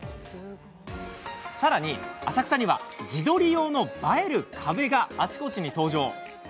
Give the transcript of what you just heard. さらに、浅草には自撮り用の映える壁があちこちに登場。